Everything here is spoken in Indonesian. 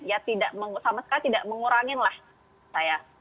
ya tidak sama sekali tidak mengurangi lah saya